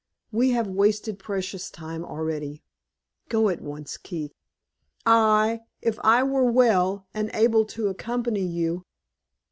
We have wasted precious time already. Go at once, Keith. Ah, if I were well, and able to accompany you!"